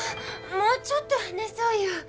もうちょっと話そうよ。